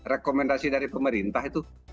rekomendasi dari pemerintah itu